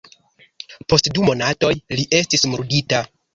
Post du monatoj li estis murdita.